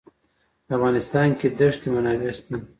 په افغانستان کې د ښتې منابع شته.